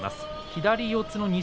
左四つの錦